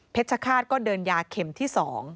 ชคาตก็เดินยาเข็มที่๒